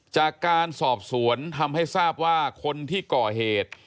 จากการสอบสวนทำให้ทราบว่าคนที่ก่อเหตุ